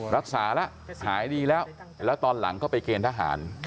รักษาแล้วหายดีแล้วแล้วตอนหลังเข้าไปเกณฑ์ทหาร